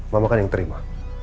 mama kan yang terima